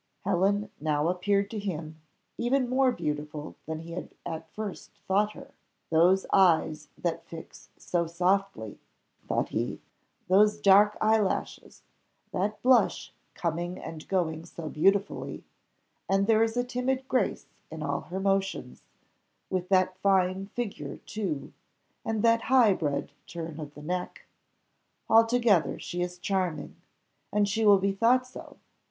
Helen now appeared to him even more beautiful than he had at first thought her "Those eyes that fix so softly," thought he, "those dark eyelashes that blush coming and going so beautifully and there is a timid grace in all her motions, with that fine figure too and that high bred turn of the neck! altogether she is charming! and she will be thought so!